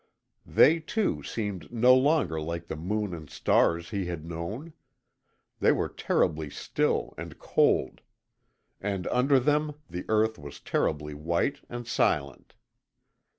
They, too, seemed no longer like the moon and stars he had known. They were terribly still and cold. And under them the earth was terribly white and silent.